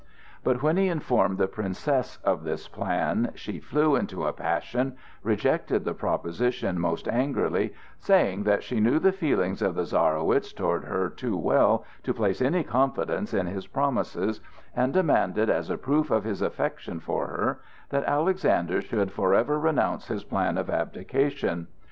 But when he informed the Princess of this plan, she flew into a passion, rejected the proposition most angrily, saying that she knew the feelings of the Czarowitz toward her too well to place any confidence in his promises, and demanded, as a proof of his affection for her, that Alexander should forever renounce his plan of abdication.